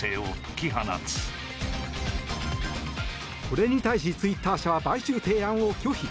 これに対しツイッター社は買収提案を拒否。